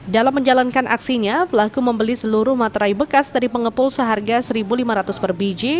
dalam menjalankan aksinya pelaku membeli seluruh materai bekas dari pengepul seharga satu lima ratus per biji